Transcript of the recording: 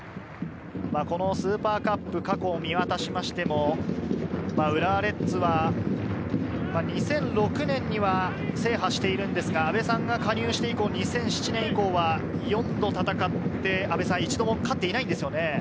このスーパーカップ、過去を見渡しましても、浦和レッズは２００６年には制覇してるんですが、阿部さんが加入して以降、２００７年以降は４度戦って１度も勝っていないんですよね。